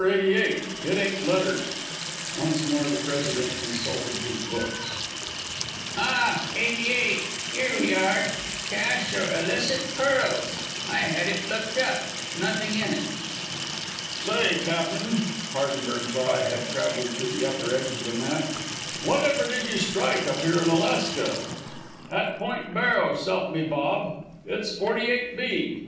88? It ain't lettered." Once more the President consulted his books. "Ah! 88. Here we are. Cache o' illicit pearls. I had it looked up. Nothing in it." "Say, Cap'n!" Hardenberg's eye had traveled to the upper edge of the map "whatever did you strike up here in Alaska? At Point Barrow, s'elp me Bob! It's 48 B."